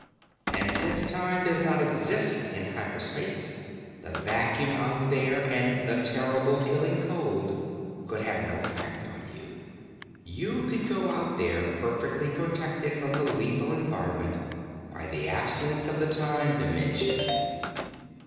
_And since time does not exist in hyper space, the vacuum out there and the terrible, killing cold, could have no effect on you. You could go out there perfectly protected from the lethal environment by the absence of the time dimension.